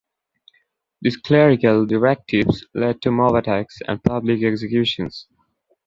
These clerical directives led to mob attacks and public executions.